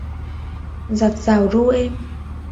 Dạt dào ru êm